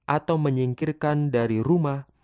atau menyingkirkan dari rumah